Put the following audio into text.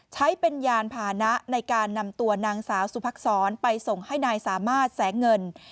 ใช้เป็นยานพานะในการนำตัวนางสาวสุภักษรไปส่งให้นายสามารถแสงเงิน